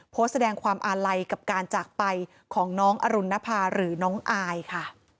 โพสต์แสดงความอาลัยกับการจากไปของน้องอรุณภาหรือน้องอายค่ะ